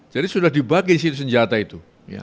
jadi sudah dibagi senjata itu